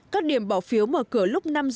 các điểm bỏ phiếu mở cửa lúc năm h